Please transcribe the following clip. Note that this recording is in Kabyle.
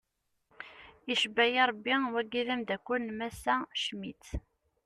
Icebbayi rebbi wagi d amdakel n massa Schmitt.